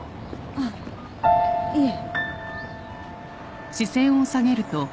あっいえ。